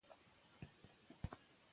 که پیاده تګ وکړو نو روغتیا نه خرابیږي.